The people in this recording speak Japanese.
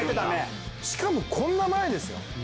しかもこんな前ですよ。